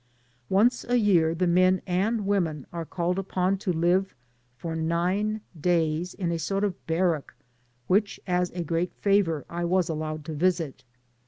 Once a year the men and women are called upon to live for nine days in a sort of barrack, which, as a great favour, I was allowed to visit.